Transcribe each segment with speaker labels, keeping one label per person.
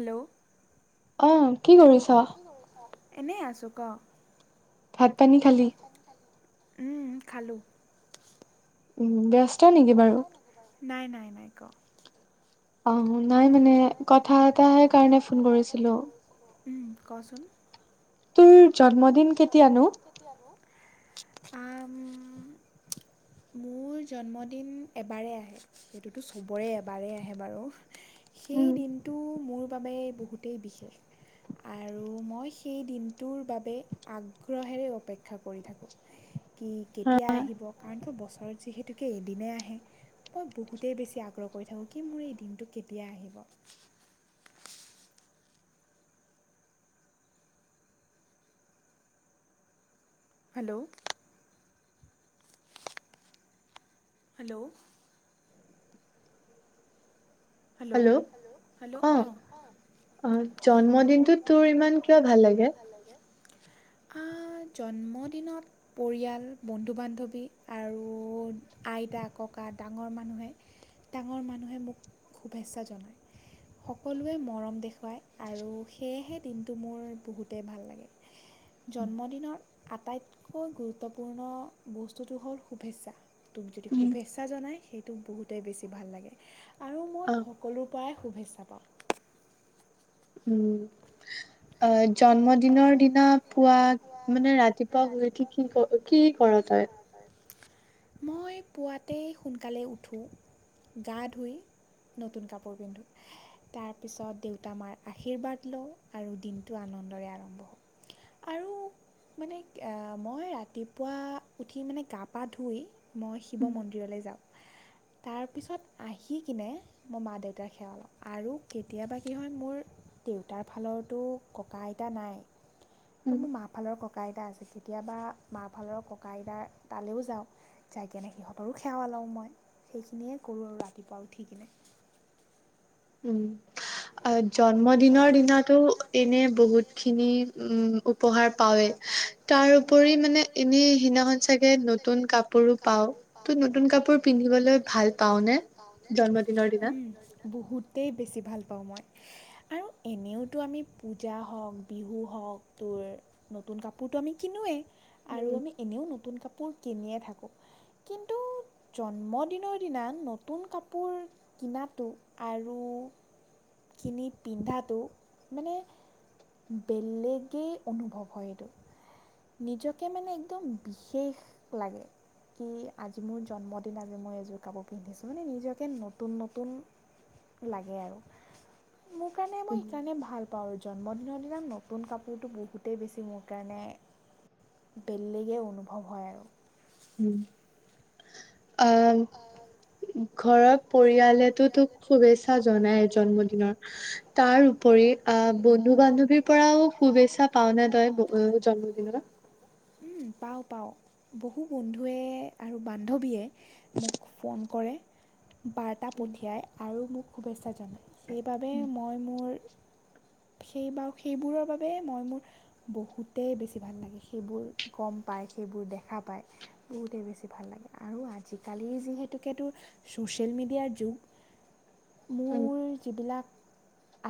Speaker 1: Hello! অ, কি কৰি আছা? এনেই আছোঁ, ক?
Speaker 2: ভাত পানী খালি?
Speaker 1: উম, খালো।
Speaker 2: উম, ব্যস্ত নেকি বাৰু?
Speaker 1: নাই নাই নাই, ক?
Speaker 2: অহ নাই মানে, কথা এটাহে কাৰণে ফোন কৰিছিলো।
Speaker 1: উম, কচোন?
Speaker 2: তোৰ জন্মদিন কেতিয়ানো?
Speaker 1: কিয়ানো? আম মোৰ জন্মদিন এবাৰে আহে। সেইটোতো চবৰে এবাৰে আহে বাৰু। সেই দিন টো মোৰ বাবে বহুতেই বিশেষ আৰু মই সেই দিনটোৰ বাবে আগ্ৰহেৰে অপেক্ষা কৰি থাকোঁ। কি, কেতিয়া আহিব? কাৰণ তো বছৰত যিহেতুকে এদিনে আহে। মই বহুতেই বেছি আগ্ৰহ কৰি থাকোঁ। কি মোৰ এই দিনটো কেতিয়া আহিব? Hello! Hello! Hello! Hello! Hello অহ।
Speaker 2: অহ জন্মদিনটো তোৰ ইমান কিয় ভাল লাগে?
Speaker 1: আহ জন্মদিনত পৰিয়াল বন্ধু বান্ধৱী আৰু আইতা, ককা ডাঙৰ মানুহে ডাঙৰ মানুহে মোক শুভেচ্ছা জনায়। সকলোৱে মৰম দেখুৱায়। আৰু সেয়েহে দিনটো মোৰ বহুতে ভাল লাগে। জন্মদিনৰ আটাইতকৈ গুৰুত্বপূৰ্ণ বস্তুটো হ'ল শুভেচ্ছা। তোক যদি শুভেচ্ছা জনাই সেইটো বহুতে বেছি ভাল লাগে। আৰু মই সকলো পৰাই শুভেচ্ছা পাওঁ।
Speaker 2: উম। আহ জন্মদিনৰ দিনা পুৱা মানে ৰাতিপুৱা শুই উঠি কি ক কি কৰ তই?
Speaker 1: মই পুৱাতে সোনকালে উঠোঁ। গা ধুই নতুন কাপোৰ পিন্ধো। তাৰপিছত দেউতা, মাৰ আশীৰ্বাদ লওঁ আৰু দিনটো আনন্দৰে আৰম্ভ। [unintelligible] আৰু মানে এ মই ৰাতিপুৱা উঠি মানে গা পা ধুই, মই শিৱ মন্দিৰলৈ যাম তাৰপিছত আহি কিনে মই মা দেউতাৰ সেৱা লওঁ আৰু কেতিয়াবা কি হয় মোৰ দেউতাৰ ফালৰতো ককা আইতা নাই। মোৰ মাফালৰ ককা আইতা আছে কেতিয়াবা মাহ ফালৰ ককা আইতাৰ তালৈও যাওঁ। যায় কিনে সিহঁতৰো সেৱা লওঁ মই সেইখিনিয়ে কৰোঁ আৰু ৰাতিপুৱা উঠি কিনে।
Speaker 2: উম, আ জন্মদিনৰ দিনাতো এনে বহুতখিনি উম উপহাৰ পাওঁয়ে। তাৰ উপৰি মানে এনেই সিদিনাখন চাগে নতুন কাপোৰো পাওঁ। ত' নতুন কাপোৰ পিন্ধিবলৈ ভাল পাৱনে জন্মদিনৰ দিনা?
Speaker 1: বহুতেই বেছি ভাল পাওঁ মই। আৰু এনেওতো আমি পূজা হওঁক বিহু হওঁক তোৰ নতুন কাপোৰটো আমি কিনোৱে আৰু আমি এনেও নতুন কাপোৰ কিনিয়ে থাকোঁ। কিন্তু জন্মদিনৰ দিনা নতুন কাপোৰ কিনাতো আৰু কিনি পিন্ধাটো মানে বেলেগেই অনুভৱ হয় এইটো। নিজকে মানে একদম বিশেষ লাগে। কি আজি মোৰ জন্মদিন আজি মই এযোৰ কাপোৰ পিন্ধিছোঁ মানে নিজকে নতুন নতুন লাগে আৰু মোৰ কাৰণে মই সেইকাৰণে ভাল পাওঁ জন্মদিনৰ দিনা নতুন কাপোৰটো বহুতেই বেছি মোৰ কাৰণে বেলেগেই অনুভৱ হয় আৰু।
Speaker 2: উম, আহ ঘৰত পৰিয়ালেতো তোক শুভেচ্ছা জনাই জন্মদিনৰ। তাৰ উপৰি আহ বন্ধু বান্ধৱীৰ পৰাও শুভেচ্ছা পাৱ নে তই জন্মদিনত?
Speaker 1: উম, পাওঁ পাওঁ বহু বন্ধুৱে আৰু বান্ধৱীয়ে মোক ফোন কৰে। বাৰ্তা পঠিয়াই আৰু মোক শুভেচ্ছা জনায়। সেইবাবে মই মোৰ সেইবাৰ সেইবোৰৰ বাবে মই মোৰ বহুতেই বেছি ভাল লাগে সেইবোৰ গম পায় সেইবোৰ দেখা পায়। বহুতেই বেছি ভাল লাগে আৰু আজিকালি যিহেতুকে তোৰ ছ'চিয়েল মিডিয়াৰ যুগ।
Speaker 2: উম।
Speaker 1: যিবিলাক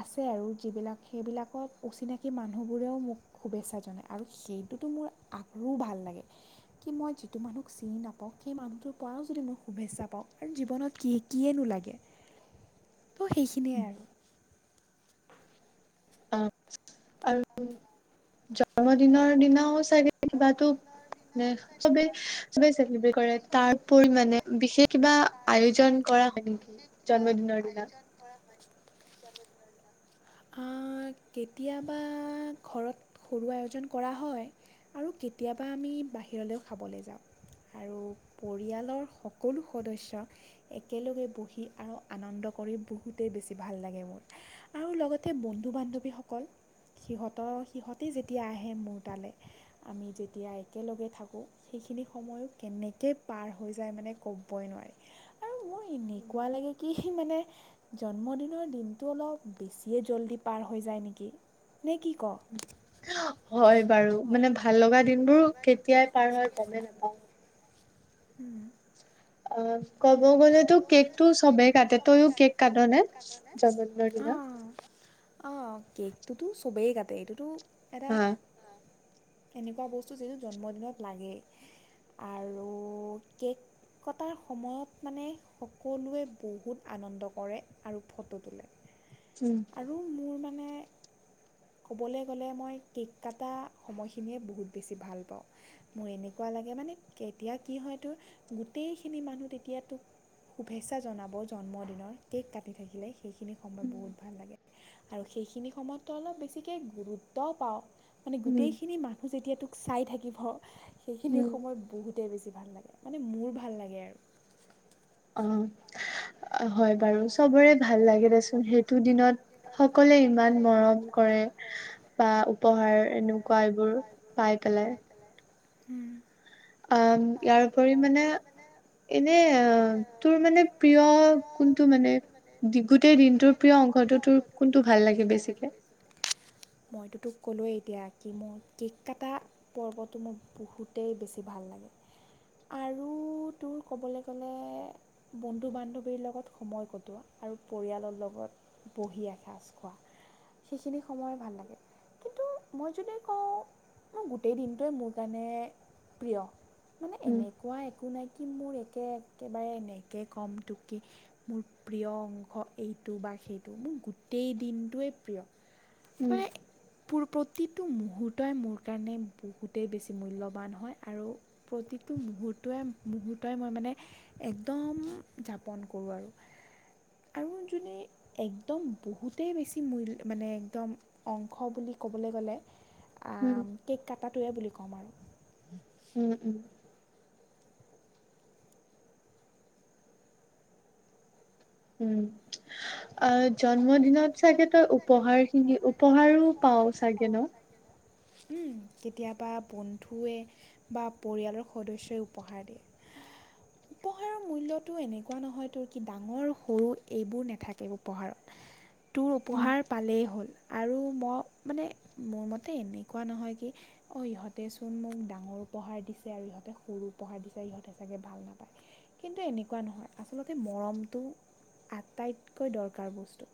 Speaker 1: আছে আৰু যিবিলাক সেইবিলাকত অচিনাকি মানুহবোৰেও মোক শুভেচ্ছা জনায় আৰু সেইটোতো মোৰ আৰু ভাল লাগে। কি মই যিটো মানুহক চিনি নাপাওঁ সেই মানুহটোৰ পৰাও যদি মই শুভেচ্ছা পাওঁ। আৰু জীৱনত কি কিয়েনো লাগে ত' সেইখিনিয়ে আৰু।
Speaker 2: অ', আৰু জন্মদিনৰ দিনাও চাগে কিবাতো নে চবেই চবেই চেলিব্ৰেট কৰে তাৰ ওপৰি মানে বিশেষ কিবা আয়োজন কৰা হয় নেকি? জন্মদিনৰ দিনা?
Speaker 1: আ কেতিয়াবা ঘৰত সৰু আয়োজন কৰা হয়। আৰু কেতিয়াবা আমি বাহিৰলে খাবলৈ যাওঁ। আৰু পৰিয়ালৰ সকলো সদস্য একেলগে বহি আৰু আনন্দ কৰি বহুতেই বেছি ভাল লাগে মোৰ। আৰু লগতে বন্ধু বান্ধৱীসকল সিহঁতৰ সিহঁতেই যেতিয়া আহে মোৰ তালৈ আমি যেতিয়া একেলগে থাকো। সেইখিনি সময়ো কেনেকে পাৰ হৈ যায় মানে ক'বই নোৱাৰি। আৰু মোৰ এনেকুৱা লাগে কি মানে জন্মদিনৰ দিনটো অলপ বেছিয়ে জল্দি পাৰ হৈ যায় নেকি, নে কি ক'ৱ?
Speaker 2: হয়, বাৰু মানে ভাল লগা দিন বোৰ কেতিয়াই পাৰ হয়, গ'মে নাপাওঁ।
Speaker 1: উম।
Speaker 2: অ'। ক'ব গ'লেতো কেকটো চবেই কাটে, তইও কেক কাটনে জন্মদিনৰ দিনা?
Speaker 1: অ', কেকটোতো চবেই কাটে এইটোতো এটা অ', এনেকুৱা বস্তু যিটো জন্মদিনত লাগেই। আৰু কেক কটাৰ সময়ত মানে সকলোৱে বহুত আনন্দ কৰে আৰু ফটো তোলে।
Speaker 2: উম।
Speaker 1: আৰু মোৰ মানে ক'বলৈ গ'লে মই কেক কাটা সময়খিনিয়ে বহুত বেছি ভাল পাওঁ। মোৰ এনেকুৱা লাগে মানে কেতিয়া কি হয় তোৰ গোটেইখিনি মানুহ তেতিয়া তোক শুভেচ্ছা জনাব জন্মদিনৰ কেক কাটি থাকিলে, সেইখিনি সময় বহুত আৰু সেইখিনি সময়ত তই অলপ বেছিকে গুৰুত্বও পাৱ। মানে গোটেইখিনি মানুহ যেতিয়া তোক চাই থাকিব সেইখিনি সময় বহুতেই বেছি ভাল লাগে মানে মোৰ ভাল লাগে আৰু।
Speaker 2: অ'। হয়, বাৰু চবৰে ভাল লাগে দেচোন সেইটো দিনত সকলোৱে ইমান মৰম কৰে। বা উপহাৰ এনেকুৱা এইবোৰ পাই পেলাই। অ', ইয়াৰ উপৰি মানে এনে তোৰ মানে প্ৰিয় কোনটো মানে গোটেই দিনটোৰ প্ৰিয় অংশটো তোৰ কোনটো ভাল লাগে বেছিকে?
Speaker 1: মইতো তোক ক'লোৱেই এতিয়া কি মোৰ কেক কটা পৰ্বটো মোৰ বহুতেই বেছি ভাল লাগে। আৰু তোৰ ক'বলৈ গ'লে বন্ধু-বান্ধৱীৰ সময় কটোৱা আৰু লগত আৰু পৰিয়ালৰ লগত। বহি এসাজ খোৱা সেইখিনি সময় ভাল লাগে। কিন্তু মই যদি কওঁ মোৰ গোটেই দিনটোৱে মোৰ কাৰণে প্ৰিয়। মানে এনেকুৱা একো নাই কি মোৰ একে একেবাৰে এনেকৈ ক'ম তোক কি মোৰ প্ৰিয় অংশ এইটো বা সেইটো মোৰ গোটেই দিনটোৱেই প্ৰিয়। মানে মোৰ প্ৰতিটো মুহূৰ্তই মোৰ কাৰণে বহুতেই বেছি মূল্যৱান হয়, আৰু প্ৰতিটো মূহূৰ্ত মুহূৰ্তই মই মানে একদম যাপন কৰোঁ আৰু। আৰু যোনে একদম বহুতেই বেছি মূল্য মানে একদম অংশ বুলি ক'বলৈ গ'লে
Speaker 2: উম।
Speaker 1: কেক কটাটোৱে বুলি ক'ম আৰু।
Speaker 2: উম, উম। উম, আ জন্মদিনত চাগে তই উপহাৰ খিনি উপহাৰো পাৱ চাগে ন'?
Speaker 1: উম, কেতিয়াবা বন্ধুৱে বা পৰিয়ালৰ সদস্যই উপহাৰ দিয়ে। উপহাৰৰ মূল্যটো এনেকুৱা নহয়তো কি ডাঙৰ সৰু এইবোৰ নাথাকে উপহাৰত। তোৰ উপহাৰ পালেই হ'ল আৰু মই মানে মোৰ মতে এনেকুৱা নহয় কি- অঁ' ইহঁতে চোন মোক ডাঙৰ উপহাৰ দিছে আৰু ইহঁতে সৰু উপহাৰ দিছে ইহঁতে চাগে ভাল নাপায়। কিন্তু এনেকুৱা নহয়। আচলতে মৰমটো আটাইতকৈ দৰকাৰ বস্তু।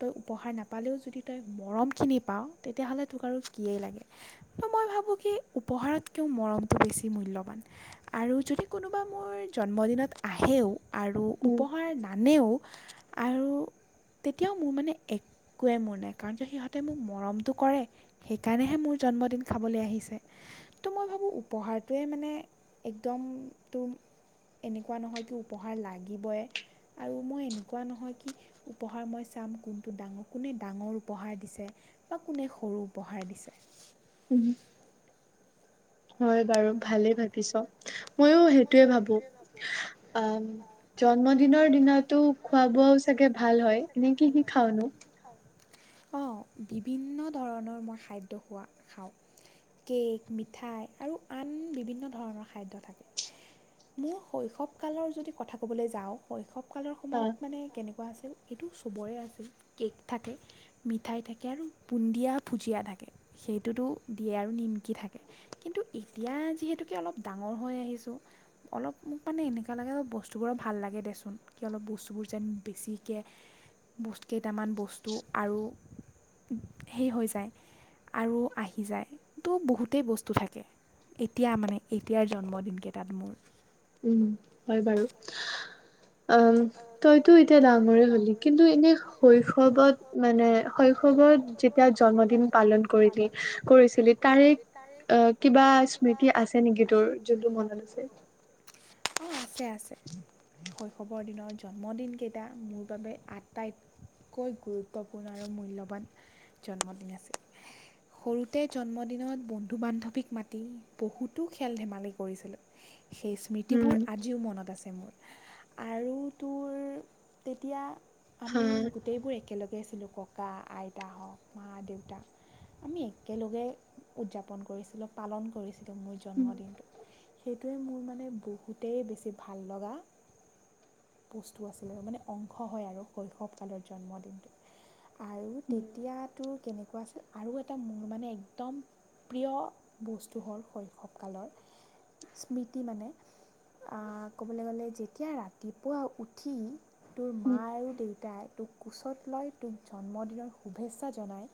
Speaker 1: তই উপহাৰ নাপালেও যদি তই মৰমখিনি পাওঁ তেতিয়া হ'লে তোক আৰু কিয়েই লাগে। মই ভাবোঁ কি উপহাৰত কেও মৰমটো বেছি মূল্যবান। আৰু যদি কোনোবা মোৰ জন্মদিনত আহেও- আৰু উপহাৰ নানেও আৰু- তেতিয়াও মোৰ মানে একোৱেই মোৰ নাই কাৰণ যে সিহঁতে মোক মৰমটো কৰে। সেইকাৰণেহে মোৰ জন্মদিন খাবলৈ আহিছে। তো মই ভাবোঁ উপহাৰটোৱে মানে একদম তো- এনেকুৱা নহয় কি উপহাৰ লাগিবই আৰু মই এনেকুৱা নহয় কি- উপহাৰ মই চাম কোনটো ডাঙৰ, কোনে ডাঙৰ উপহাৰ দিছে- বা কোনে সৰু উপহাৰ দিছে।
Speaker 2: উমঁ' হয় বাৰু ভালেই ভাবিছ, মইও সেই সেইটোৱে ভাবোঁ। আহ' জন্মদিনৰ দিনাটো- খোৱা বোৱাও চাগে ভাল হয়, এনেকে কি কি খাওনো?
Speaker 1: অঁ' বিভিন্ন ধৰণৰ মই খাদ্য খোৱা খাওঁ। কেক, মিঠাই আৰু আন বিভিন্ন ধৰণৰ খাদ্য থাকে। মোৰ শৈশৱ কালৰ যদি কথা ক'বলৈ যাওঁ শৈশৱ কালৰ সময়ত মানে কেনেকুৱা আ এইটো চবৰে আছিল কেক থাকে- মিঠাই থাকে আৰু বুন্দিয়া ভুজিয়া থাকে সেইটোতো দিয়ে আৰু নিমকি থাকে। কিন্তু এতিয়া যিহেতুকে অলপ ডাঙৰ হৈ আহিছোঁ- অলপ মোক মানে এনেকুৱা লাগে অলপ বস্তুবোৰো ভাল লাগে দেচোন, কি অলপ বস্তুবোৰ যেন বেছি- কেইটকামান বস্তু আৰু সেই হৈ যায়- আৰু আহি যায়। তো বহুতেই বস্তু থাকে। এতিয়া মানে এতিয়াৰ জন্মদিনকেই তাত মোৰ।
Speaker 2: উমঁ' হয় বাৰু। অম, তইতো এতিয়া ডাঙৰে সলি কিন্তু এনেই শৈশৱত মানে শৈশৱত যেতিয়া জন্মদিন পালন কৰিলি বা কৰিছিলি তাৰে আহ'- কিবা স্মৃতি আছে নেকি তোৰ যোনটো মনত আছে?
Speaker 1: অঁ' আছে-আছে, শৈশৱ শৈশৱৰ দিনৰ জন্মদিনকেইটা মোৰ বাবে আটাইত কৈ গুৰুত্বপূৰ্ণ আৰু মূল্যৱান জন্মদিন আছিল। সৰুতে জন্মদিনত বন্ধু বান্ধৱীক মাতি বহুতো খেল ধেমালি কৰিছিলোঁ। সেই স্মৃতিবোৰ আজিও মনত আছে মোৰ। আৰু তোৰ তেতিয়া আমি গোটেইবোৰ একেলগে আছিলোঁ ক ককাঁ, আইতা হওঁক, মা দেউতা। আমি একেলগে উদযাপন কৰিছিলোঁ, পালন কৰিছিলোঁ- মোৰ জন্মদিনটো। সেইটোৱে মোৰ মানে বহুতেই বেছি ভাল লগা- বস্তু আছিলে আৰু মানে অংশ হয় আৰু শৈশৱ কালৰ জন্মদিনটোত। আৰু তেতিয়া তোৰ কেনেকুৱা আছিল- আৰু এটা মোৰ মানে একদম প্ৰিয় বস্তু হ'ল শৈশৱ কালৰ স্মৃতি মানে আহ' ক'বলৈ গ'লে যেতিয়া ৰাতি ৰাতিপুৱা উঠি তোৰ মা আৰু দেউতাই তোক কোচত লয় তোক জন্মদিনৰ শুভেচ্ছা জনায়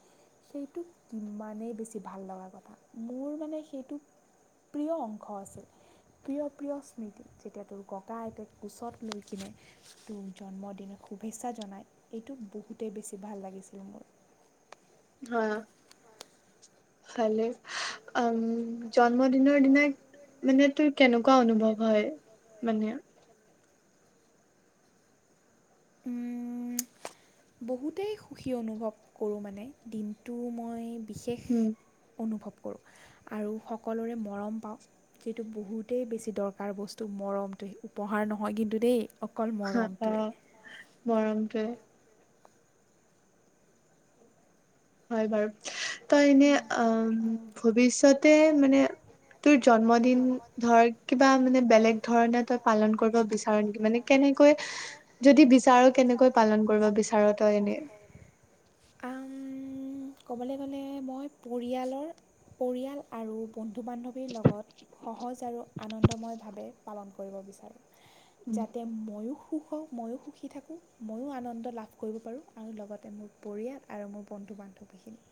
Speaker 1: সেইটো কিমানেই বেছি ভাল লগা কথা! মোৰ মানে সেইটো প্ৰিয় অংশ আছিল। প্ৰিয়- প্ৰিয় স্মৃতি যেতিয়া তোৰ ককা -আইতাই কোছত লৈ কিনে তোক জন্মদিনক শুভেচ্ছা জনাই, এইটো বহুতেই বেছি ভাল লাগিছিল মোৰ।
Speaker 2: অ, হয়নে? উম জন্মদিনৰ দিনা মানে তোৰ কেনেকুৱা অনুভৱ হয় মানে?
Speaker 1: উম বহুতেই সুখী অনুভৱ কৰোঁ মানে। দিনটো মই বিশেষ অনুভৱ কৰোঁ। আৰু সকলোৰে মৰম পাওঁ। যিটো বহুতেই বেছি দৰকাৰ বস্তু, মৰমটো। উপহাৰ নহয় কিন্তু দেই।
Speaker 2: হ অ, মৰমটোৱে। হয় বাৰু। তই এনে উম, ভৱিষ্যতে মানে তোৰ জন্মদিন ধৰ, কিবা মানে বেলেগ ধৰণে তই পালন কৰিব বিচ মানে কেনেকৈ যদি বিচাৰ, কেনেকৈ পালন কৰিব বিচাৰ তই এনে?
Speaker 1: আম ক'বলে গ'লে, মই পৰিয়ালৰ পৰিয়াল আৰু বন্ধু বান্ধবীৰ লগত সহজ আৰু আনন্দময় ভাৱে পালন কৰিব বিচাৰোঁ। যাতে ময়ো সুখ হওঁ, ময়ো সুখী থাকোঁ, ময়ো আনন্দ লাভ কৰিব পাৰোঁ আৰু লগতে মোক পৰিয়াল আৰু মোৰ বন্ধু বান্ধৱীখিনি।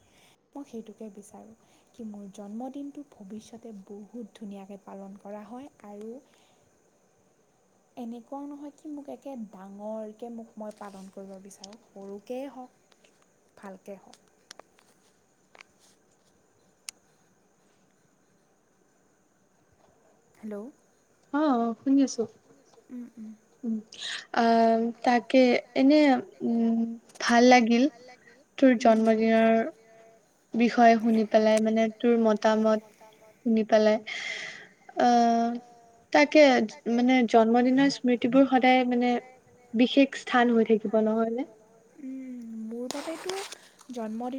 Speaker 1: মই সেইটোকে বিচাৰো। কি মোৰ জন্মদিনটো ভৱিষ্যতে বহুত ধুনীয়াকে পালন কৰা হয়, আৰু এনেকুৱাও নহয় কি, মোক একে ডাঙৰকে মোক মই পালন কৰিব বিচাৰোঁ। সৰুকেই হওক ভালকে হওক। হেল্ল'।
Speaker 2: অঁ, শুনি আছো।
Speaker 1: উম, উম।
Speaker 2: উম, আ তাকে এনে উম, ভাল লাগিল তোৰ জন্মদিনৰ বিষয়ে শুনি পেলাই মানে, তোৰ মতামত শুনি পেলাই। আহ তাকে মানে জন্মদিনৰ স্মৃতিবোৰ সদায় মানে বিশেষ
Speaker 1: [unintelligible] উম, মোৰ বাবেতো জন্মদিনত